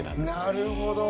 なるほど。